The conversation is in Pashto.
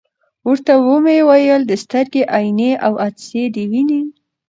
ورته ومي ویل: د سترګي عینیې او عدسیې دي وینې ؟